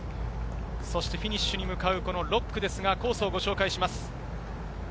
フィニッシュに向かう６区のコースをご紹介します。